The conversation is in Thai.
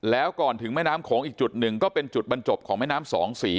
แล้วก่อนถึงแม่น้ำโขงอีกจุดหนึ่งก็เป็นจุดบรรจบของแม่น้ำสองสี